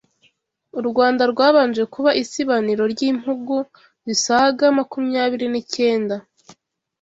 u Rwanda rwabanje kuba isibaniro ry’impugu zisaga makumyabiri nicyenda